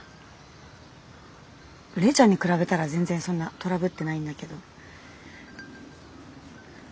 玲ちゃんに比べたら全然そんなトラブってないんだけど。